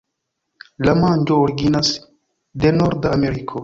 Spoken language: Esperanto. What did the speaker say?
La manĝo originas de Norda Ameriko.